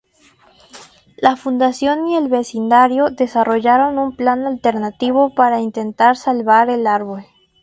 La Fundación y el vecindario desarrollaron un plan alternativo para intentar salvar el árbol.